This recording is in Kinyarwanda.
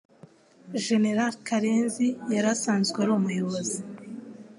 General Karenzi yari asanzwe ari umuyobozi